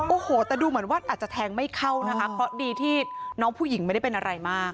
โอ้โหแต่ดูเหมือนว่าอาจจะแทงไม่เข้านะคะเพราะดีที่น้องผู้หญิงไม่ได้เป็นอะไรมาก